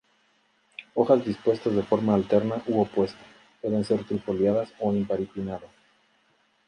Hojas dispuestas de forma alterna u opuesta; pueden ser trifoliadas o imparipinnadas.